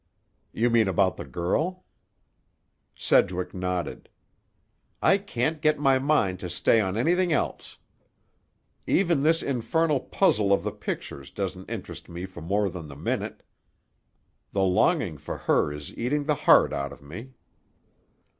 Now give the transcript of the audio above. "You mean about the girl?" Sedgwick nodded. "I can't get my mind to stay on anything else. Even this infernal puzzle of the pictures doesn't interest me for more than the minute. The longing for her is eating the heart out of me."